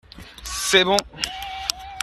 C’est bon.